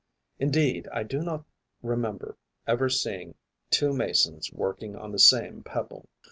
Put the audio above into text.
Indeed I do not remember ever seeing two Masons working on the same pebble.